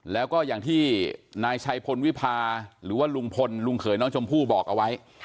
แล้วก็อย่างที่นายชัยพลวิพาหรือว่าลุงพลลุงเขยน้องชมพู่บอกเอาไว้